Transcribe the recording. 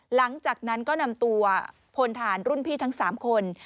หลังจากนั้นก็นำตัวพลฐานรุ่นพี่ทั้ง๓คน